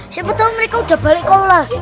siapa tau mereka udah balik ke aula